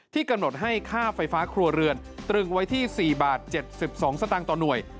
กำหนดให้ค่าไฟฟ้าครัวเรือนตรึงไว้ที่๔บาท๗๒สตางค์ต่อหน่วย